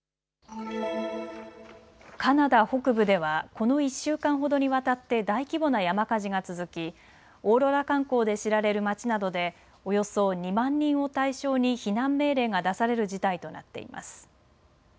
カナダ北部ではこの１週間ほどにわたって大規模な山火事が続きオーロラ観光で知られる町などでおよそ２万人を対象に避難命令が出される事態となっています。